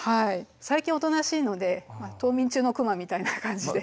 最近おとなしいので冬眠中の熊みたいな感じで。